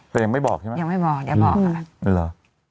แต่ยังไม่บอกใช่ไหมยังไม่บอกยังบอกค่ะอ๋อเหรอ